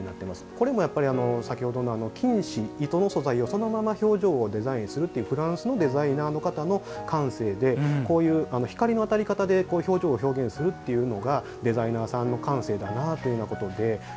これも、先ほどの金糸糸の素材をそのまま表情をデザインするっていうフランスのデザイナーの方の感性で光の当たり方で表情を表現するというのがデザイナーさんの感性だなということで。